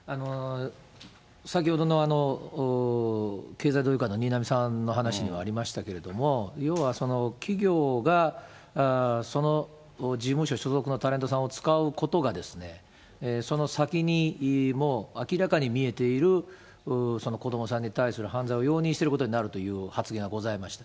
先ほどの経済同友会の新浪さんの話にもありましたけれども、要は、企業がその事務所所属のタレントさんを使うことがですね、その先にもう明らかに見えている子どもさんに対する犯罪を容認しているということになるという発言がございました。